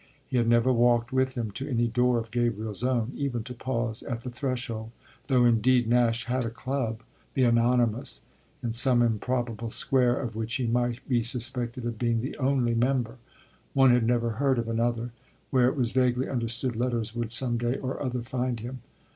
He had never walked with him to any door of Gabriel's own, even to pause at the threshold, though indeed Nash had a club, the Anonymous, in some improbable square, of which he might be suspected of being the only member one had never heard of another where it was vaguely understood letters would some day or other find him.